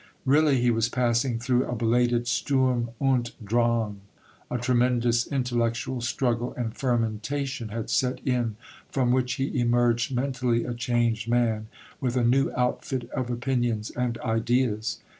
Really he was passing through a belated Sturm und Drang; a tremendous intellectual struggle and fermentation had set in, from which he emerged mentally a changed man, with a new outfit of opinions and ideas.